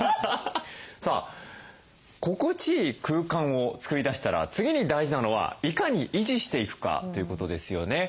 さあ心地いい空間を作り出したら次に大事なのはいかに維持していくかということですよね。